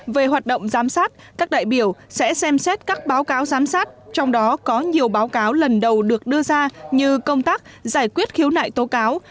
về hoạt động giám sát các đại biểu sẽ xem xét các báo cáo giám sát trong đó có nhiều báo cáo lần đầu được đưa ra như công tác giải quyết khiếu nại tố cáo